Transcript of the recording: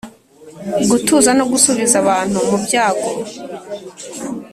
gutuza no gusubiza abantu mu byabo: